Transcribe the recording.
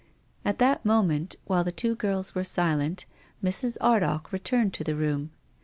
At this moment, while the two girls were silent, Mrs. Ardagh returned to the room.